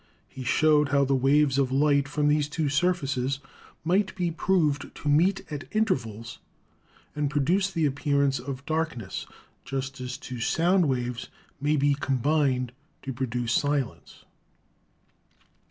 He showed how the waves of light from these two surfaces might be proved to meet at intervals and produce the appearance of darkness, just as two sound waves may be combined to produce silence.